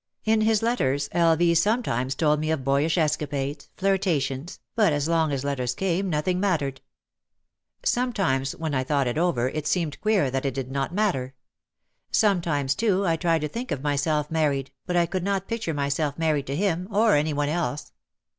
In his letters, L. V. sometimes told me of boyish escapades, flirtations, but as long as letters came noth OUT OF THE SHADOW 297 ing mattered. Sometimes when I thought it over it seemed queer that it did not matter. Sometimes, too, I tried to think of myself married, but I could not picture myself married to him or any one else.